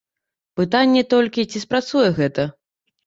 Пытанне толькі, ці спрацуе гэта.